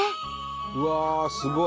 うわすごい！